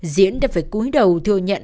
diễn đã phải cúi đầu thừa nhận